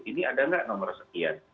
ini ada nggak nomor sekian